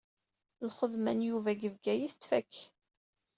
Lxedma n Yuba deg Bgayet tfakk.